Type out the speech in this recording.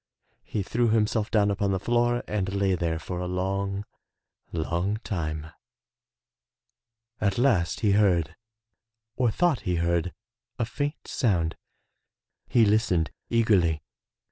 He threw himself down upon the floor and lay there for a long, long time. At last he heard, or thought he heard, a faint sound. He listened eagerly.